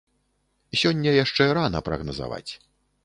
Сёння яшчэ рана прагназаваць.